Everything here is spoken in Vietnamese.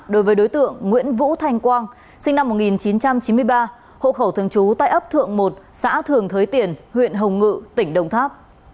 đối với đối tượng nguyễn vũ thanh quang sinh năm một nghìn chín trăm chín mươi ba hộ khẩu thường trú tại ấp thượng một xã thường thới tiền huyện hồng ngự tỉnh đồng tháp